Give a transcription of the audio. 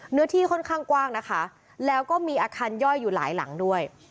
เนื้อที่ค่อนข้างกว้างนะคะแล้วก็มีอาคารย่อยอยู่หลายหลังด้วย